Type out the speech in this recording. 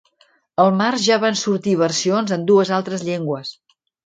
El març ja van sortir versions en dues altres llengües.